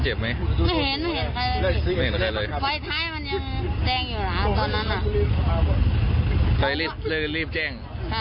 ใช่เราว่ายน้ำไม่เป็น